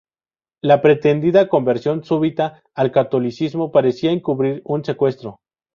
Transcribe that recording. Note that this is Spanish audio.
La pretendida conversión súbita al catolicismo parecía encubrir un secuestro.